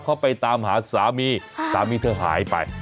เขาไปตามหาสามีสามีเธอหายไป